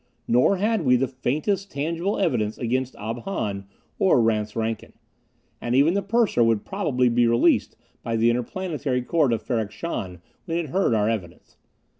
Nor had we the faintest tangible evidence against Ob Hahn or Rance Rankin. And even the purser would probably be released by the Interplanetary Court of Ferrok Shahn when it heard our evidence.